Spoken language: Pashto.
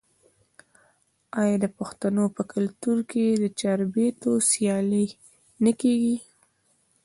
آیا د پښتنو په کلتور کې د چاربیتیو سیالي نه کیږي؟